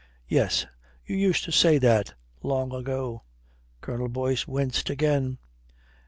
"Yes. You used to say that long ago." Colonel Boyce winced again.